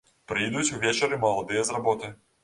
Прыйдуць увечары маладыя з работы.